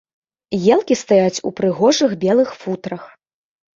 Елкі стаяць у прыгожых белых футрах.